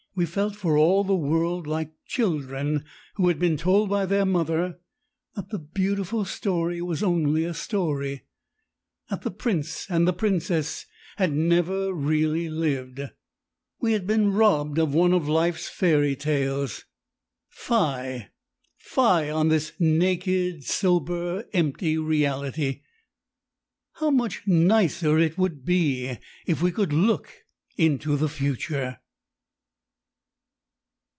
We felt, for all the world, like children who had been told by their mother that the beautiful story was only a story that the prince and the princess had never really lived. We had been robbed of one of life's fairy tales. Fie! Fie on this naked, sober, empty reality! How much nicer it would be if we could look into the future!